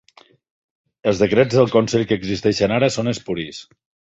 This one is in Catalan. Els decrets del consell que existeixen ara són espuris.